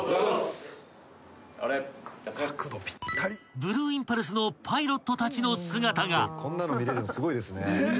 ［ブルーインパルスのパイロットたちの姿が］